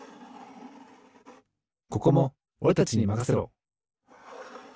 ここもおれたちにまかせろ！